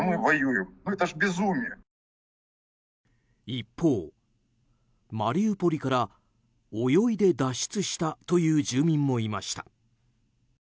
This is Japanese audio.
一方、マリウポリから泳いで脱出したという住民もいました。